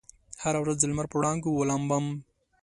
هره ورځ دلمر په وړانګو ولامبم